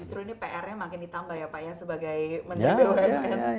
justru ini prnya makin ditambah ya pak sebagai menteri